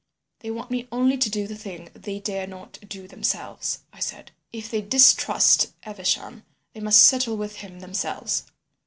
"'They want me only to do the thing they dare not do themselves,' I said. 'If they distrust Evesham they must settle with him themselves.